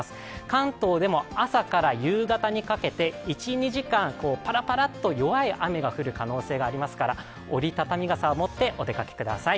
関東でも朝から夕方にかけて、１２時間、ぱらぱらっと弱い雨が降る可能性がありますから折り畳み傘を持ってお出かけください。